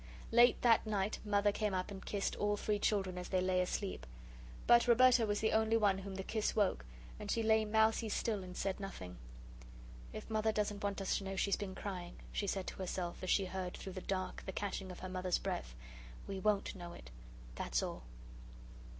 Late that night Mother came up and kissed all three children as they lay asleep. But Roberta was the only one whom the kiss woke, and she lay mousey still, and said nothing. "If Mother doesn't want us to know she's been crying," she said to herself as she heard through the dark the catching of her Mother's breath, "we WON'T know it. That's all."